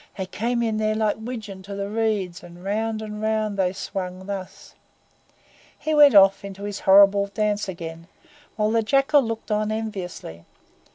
"They came in there like widgeon to the reeds, and round and round they swung thus!" He went off into his horrible dance again, while the Jackal looked on enviously.